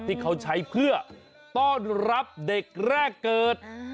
ที่เขาใช้เพื่อต้อนรับเด็กแรกเกิด